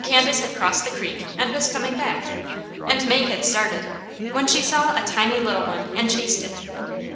Candace had crossed the creek and was coming back, and May had started, when she saw a tiny little one and chased it.